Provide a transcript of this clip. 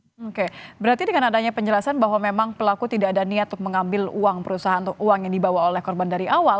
oke berarti dengan adanya penjelasan bahwa memang pelaku tidak ada niat untuk mengambil uang perusahaan uang yang dibawa oleh korban dari awal